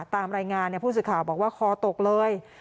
ตามรายงานภูมิศิฐาบอกว่าคอตกเลย